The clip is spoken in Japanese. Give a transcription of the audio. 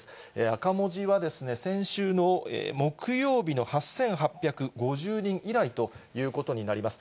赤文字は先週の木曜日の８８５０人以来ということになります。